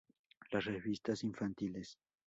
Las revistas infantiles".